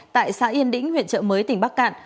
tại xã yên đĩnh huyện trợ mới tỉnh bắc cạn